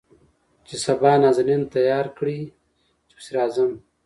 چې سبا نازنين تيار کړي چې پسې راځم.